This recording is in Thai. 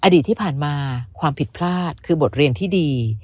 อดีตที่ผ่านมาความผิดพลาดคือบทเรียนที่ดี